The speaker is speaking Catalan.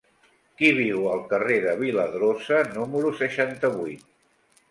Qui viu al carrer de Viladrosa número seixanta-vuit?